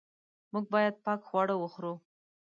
موږ باید پاک خواړه وخورو.